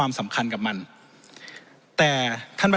จากแบบ